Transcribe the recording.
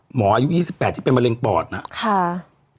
อายุ๒๘ที่เป็นมะเร็งปอดนะครับ